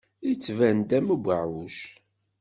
Yettban-d am ubeɛɛuc.